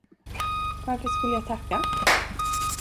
Varför skulle jag tacka?